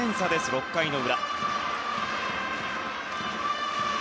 ６回の裏。